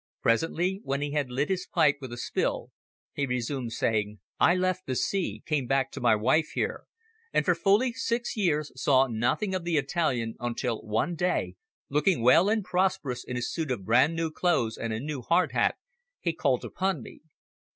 Presently when he had lit his pipe with a spill, he resumed, saying "I left the sea, came back to my wife here, and for fully six years saw nothing of the Italian until one day, looking well and prosperous in a suit of brand new clothes and a new hard hat, he called upon me.